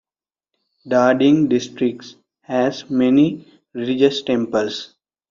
Dhading District has many religious temples.